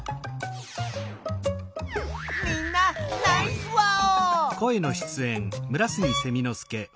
みんなナイスワオ！